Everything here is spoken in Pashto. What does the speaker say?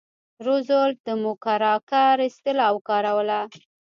روزولټ د موکراکر اصطلاح وکاروله.